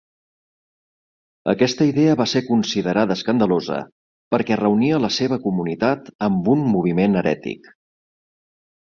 Aquesta idea va ser considerada escandalosa perquè reunia la seva comunitat amb un moviment herètic.